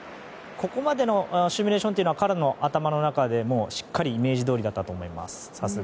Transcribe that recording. ここまでにシミュレーションは彼の頭の中でしっかりイメージどおりだったと思います。